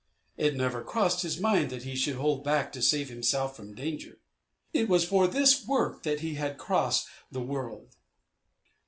It never crossed his mind that he should hold back to save himself from danger. It was for this work that he had crossed the world.